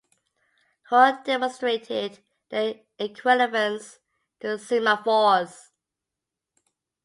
Hoare demonstrated their equivalence to semaphores.